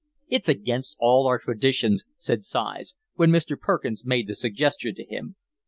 "It's against all our traditions," said Sighs, when Mr. Perkins made the suggestion to him.